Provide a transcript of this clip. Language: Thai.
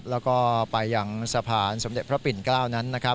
แล้วก็ไปอย่างสะพานสมเด็จพระปิณกล้าวนั้น